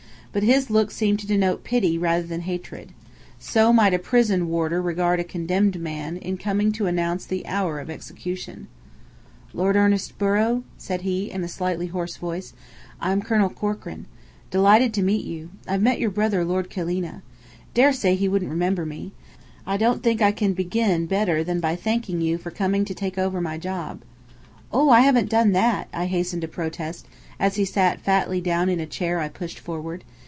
But his look seemed to denote pity rather than hatred. So might a prison warder regard a condemned man, in coming to announce the hour of execution. "Lord Ernest Borrow?" said he, in a slightly hoarse voice. "I'm Colonel Corkran. Delighted to meet you. I've met your brother, Lord Killeena. Daresay he wouldn't remember me. I don't think I can begin better than by thanking you for coming to take over my job." "Oh, I haven't done that!" I hastened to protest, as he sat fatly down in a chair I pushed forward.